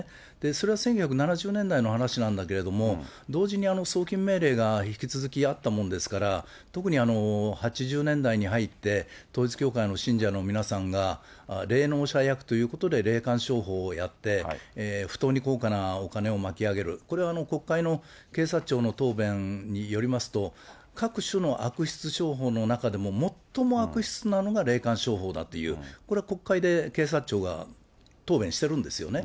それは１９７０年代の話なんだけれども、同時に送金命令が引き続きあったもんですから、特に８０年代に入って、統一教会の信者の皆さんが霊能者役ということで、霊感商法をやって、不当に高価なお金を巻き上げる、これは国会の検察庁の答弁によりますと、各種の悪質商法の中でも最も悪質なのが霊感商法だという、これは国会で検察庁が答弁してるんですよね。